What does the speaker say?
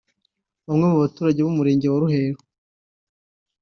Bamwe mu baturage bo mu Murenge wa Ruheru